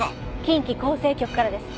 近畿厚生局からです。